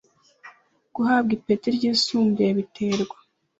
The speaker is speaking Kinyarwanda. guhabwa ipeti ryisumbuye biterwa